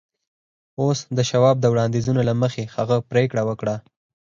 اوس د شواب د وړاندیزونو له مخې هغه پرېکړه وکړه